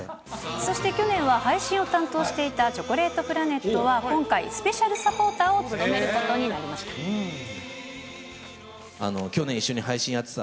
そして去年は配信を担当していたチョコレートプラネットは、今回、スペシャルサポーターを務めることになりました。